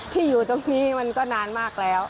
ที่อยู่ตรงนี้มันก็นานมากแล้ว